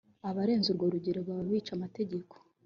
Abarenza urwo rugero baba bica amategeko